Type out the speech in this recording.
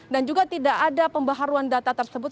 dan juga tidak ada pembaharuan data tersebut